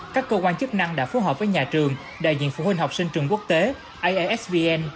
các cơ quan chức năng đã phối hợp với nhà trường đại diện phụ huynh học sinh trường quốc tế aisvn